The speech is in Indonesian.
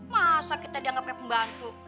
masa kita dianggapnya pembantu